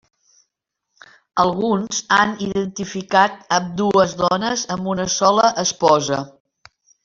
Alguns han identificat ambdues dones amb una sola esposa.